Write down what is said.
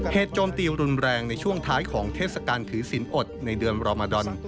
โจมตีรุนแรงในช่วงท้ายของเทศกาลถือศิลปอดในเดือนรอมาดอน